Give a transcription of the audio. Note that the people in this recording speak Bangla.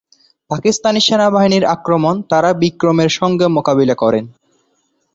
পাকিস্তান সেনাবাহিনীর আক্রমণ তারা বিক্রমের সঙ্গে মোকাবিলা করেন।